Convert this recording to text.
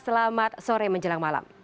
selamat sore menjelang malam